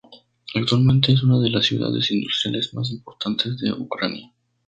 Actualmente, es una de las ciudades industriales más importantes de Ucrania.